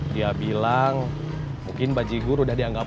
dia bilang mungkin baji gur udah dianggap uno